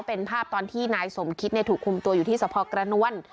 เป็นภาพตอนที่นายสมคิดถูกคุมตัวอยู่ที่สภกระนวล